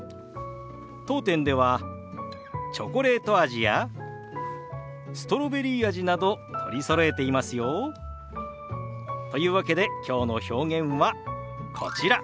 当店ではチョコレート味やストロベリー味など取りそろえていますよ。というわけできょうの表現はこちら。